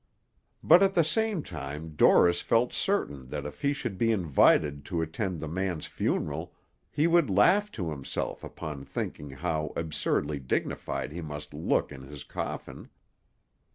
But at the same time Dorris felt certain that if he should be invited to attend the man's funeral, he would laugh to himself upon thinking how absurdly dignified he must look in his coffin.